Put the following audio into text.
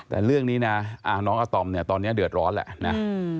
แต่เรื่องนี้น้องอาตอมตอนนี้เดือดร้อนแหละ